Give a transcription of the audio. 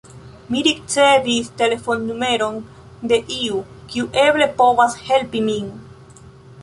Mi ricevis telefonnumeron de iu, kiu eble povas helpi min.